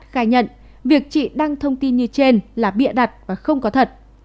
khai nhận việc chị đăng thông tin như trên là bịa đặt và không có thật